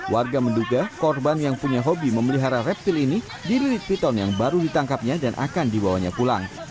warga menduga korban yang punya hobi memelihara reptil ini dirilit piton yang baru ditangkapnya dan akan dibawanya pulang